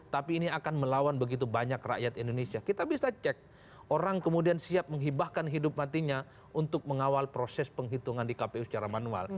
tapi ini akan melawan begitu banyak rakyat indonesia kita bisa cek orang kemudian siap menghibahkan hidup matinya untuk mengawal proses penghitungan di kpu secara manual